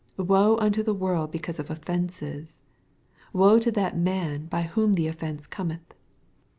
"Woe unto the world because of offences 1 — Woe to that man by whom the offence Cometh."